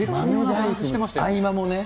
合間もね。